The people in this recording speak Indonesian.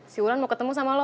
si wulan mau ketemu sama allah